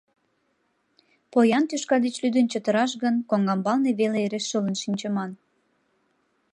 — Поян тӱшка деч лӱдын чытыраш гын, коҥгамбалне веле эре шылын шинчыман!